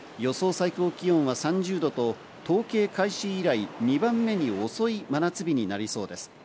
最高気温は３０度と統計開始以来、２番目に遅い真夏日になりそうです。